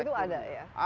itu ada ya